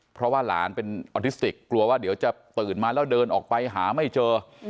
เพราะว่าหลานเป็นออทิสติกกลัวว่าเดี๋ยวจะตื่นมาแล้วเดินออกไปหาไม่เจอ